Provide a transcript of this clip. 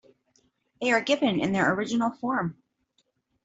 They are given in their original form.